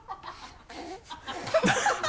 ハハハ